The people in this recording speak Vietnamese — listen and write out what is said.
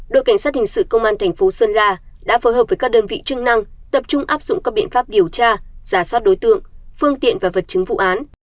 đội cảnh sát hình sự công an thành phố sơn la đã phối hợp với các đơn vị chức năng tập trung áp dụng các biện pháp điều tra giả soát đối tượng phương tiện và vật chứng vụ án